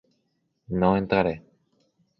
No entraré.